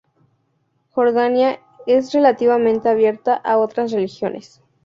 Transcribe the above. Jordania es relativamente abierta a otras religiones.